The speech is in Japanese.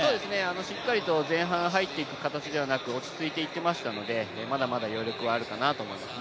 しっかりと前半入っていく形ではなく落ち着いていってましたので、まだまだ余力はあるかなと思います。